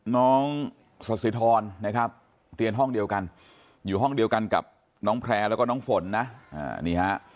น้องสัสสิทรนะครับเรียนห้องเดียวกันอยู่ห้องเดียวกันกับน้องแพร่แล้วก็น้องฝนนะนี่ฮะ